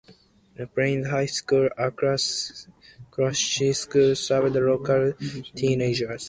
Plains High School, a Class C school, serves local teenagers.